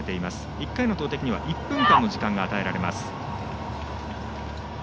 １回の投てきには１分間の時間が与えられます。